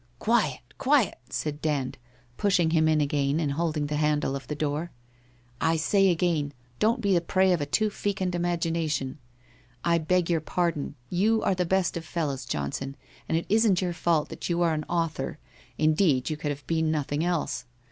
1 Quiet, quiet !' said Dand, pushing him in again and holding the handle of the door. ' I say again, don't be the prey of a too fecund imagination. I beg your pardon. You are the best of fellows, Johnson, and it isn't your fault that you are an author — indeed you could have been noth ing else.